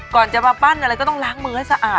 ก่อนจะมาปั้นอะไรก็ต้องล้างมือให้สะอาด